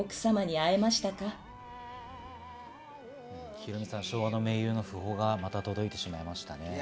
ヒロミさん、昭和の名優の訃報がまた届いてしまいましたね。